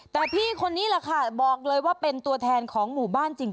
แต่พี่คนนี้แหละค่ะบอกเลยว่าเป็นตัวแทนของหมู่บ้านจริง